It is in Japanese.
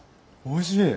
おいしい！